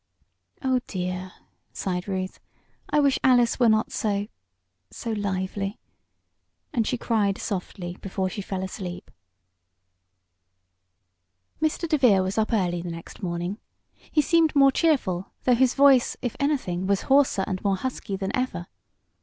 "Oh, dear!" sighed Ruth. "I wish Alice were not so so lively" and she cried softly before she fell asleep. Mr. DeVere was up early the next morning. He seemed more cheerful, though his voice, if anything, was hoarser and more husky than ever.